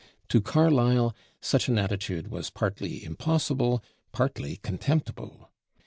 To Carlyle such an attitude was partly impossible, partly contemptible.